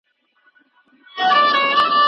که ته کار ونکړي نو پایله به وانخلي.